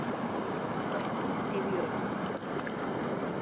Karımı seviyorum.